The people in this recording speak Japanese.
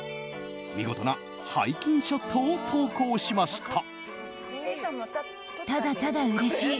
見事な背筋ショットを投稿しました。